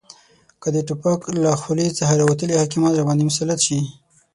که د توپک له خولې څخه راوتلي حاکمان راباندې مسلط شي